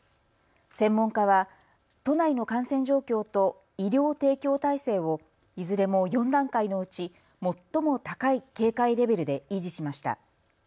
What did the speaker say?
専門家は都内の感染状況と医療提供体制をいずれも４段階のうち最も高い警戒レベルで維持しました。